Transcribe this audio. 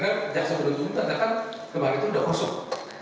karena jasa beruntung tanda tanda kemarin itu sudah kosong